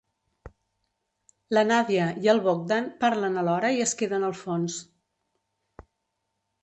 La Nàdia i el Bógdan parlen alhora i es queden al fons.